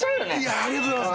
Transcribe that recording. ありがとうございます。